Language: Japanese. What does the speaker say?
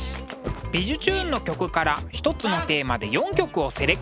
「びじゅチューン！」の曲から一つのテーマで４曲をセレクト。